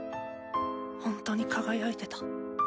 ホントに輝いてた。